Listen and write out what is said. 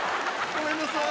ごめんなさい。